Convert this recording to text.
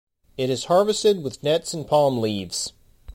It is harvested with nets and palm leaves.